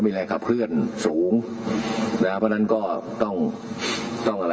มีศาสตราจารย์พิเศษวิชามหาคุณเป็นประเทศด้านกรวมความวิทยาลัยธรม